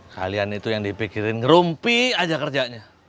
kalian itu yang dipikirin ngerumpi aja kerjanya